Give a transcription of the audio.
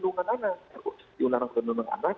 undang undang kelindungan anak